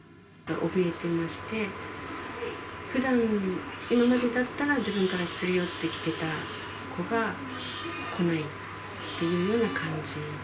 おびえていまして、ふだん、今までだったら、自分からすり寄ってきてた子が、来ないっていう感じで。